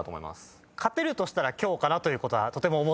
勝てるとしたら今日かなということはとても思っています。